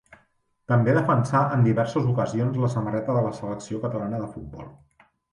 També defensà en diverses ocasions la samarreta de la selecció catalana de futbol.